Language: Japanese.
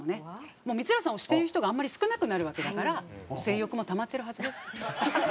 もう光浦さんを知っている人があんまり少なくなるわけだから性欲もたまってるはずです。